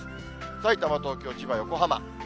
さいたま、東京、千葉、横浜。